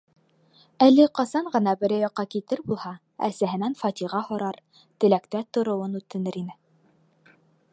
Әле ҡасан ғына берәй яҡҡа китер булһа, әсәһенән фатиха һорар, теләктә тороуын үтенер ине.